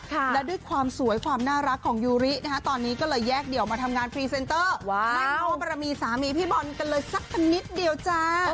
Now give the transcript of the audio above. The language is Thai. และด้วยความสวยความน่ารักของยูรินะคะตอนนี้ก็เลยแยกเดี่ยวมาทำงานพรีเซนเตอร์ไม่เพราะว่าบรมีสามีพี่บอลกันเลยสักนิดเดียวจ้า